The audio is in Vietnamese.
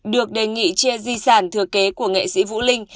được đề nghị chia di sản thừa kế của nghệ sĩ vũ linh